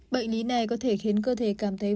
bệnh lý này có thể khiến cơ thể cảm thấy